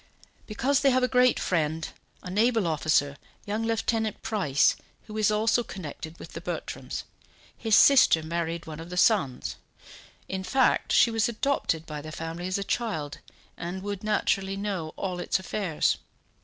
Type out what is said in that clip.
"Because they have a great friend, a naval officer, young Lieutenant Price, who is also connected with the Bertrams; his sister married one of the sons. In fact, she was adopted by the family as a child, and would naturally know all its affairs.